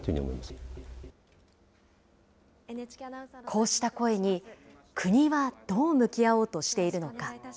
こうした声に、国はどう向き合おうとしているのか。